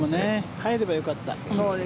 入ればよかった。